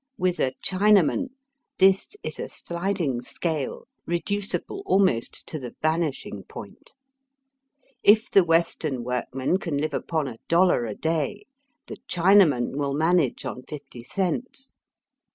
With a Chinaman this is a sHding scale reducible almost to the vanishing point. If the Western workman can live upon a dollar a day the Chinaman wiU manage on fifty cents.